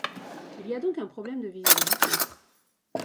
Il y a donc un problème de visibilité.